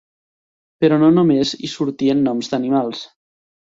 Però no només hi sortien noms d'animals.